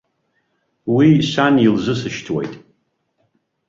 Уи сан илзысышьҭуеит!